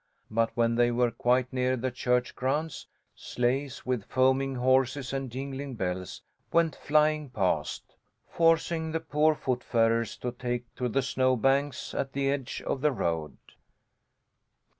But when they were quite near the church grounds, sleighs, with foaming horses and jingling bells, went flying past, forcing the poor foot farers to fake to the snow banks, at the edge of the road.